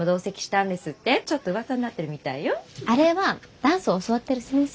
あれはダンスを教わってる先生が。